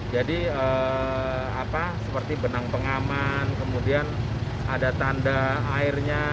jadi seperti benang pengaman kemudian ada tanda airnya